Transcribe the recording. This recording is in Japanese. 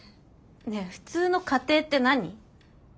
ねえ「普通の家庭」って何？